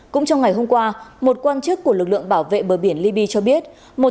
cũng trong ngày hôm qua một quan chức của lực lượng bảo vệ bờ biển libya cho biết